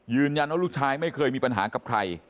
ยืนยันว่าลูกชายไม่เคยมีปัญหากับใคร